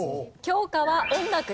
教科は音楽です。